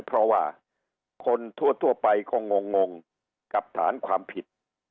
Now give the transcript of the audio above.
เพราะว่าคนทั่วไปคงงกับฐานความผิด